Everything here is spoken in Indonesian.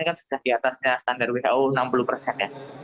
sekarang sudah di atasnya standar who enam puluh persen